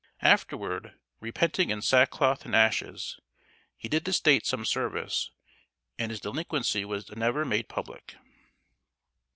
Afterward, repenting in sackcloth and ashes, he did the State some service, and his delinquency was never made public.